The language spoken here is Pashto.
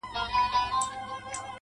خلگو شتنۍ د ټول جهان څخه راټولي كړې.